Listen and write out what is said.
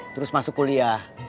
terus masuk kuliah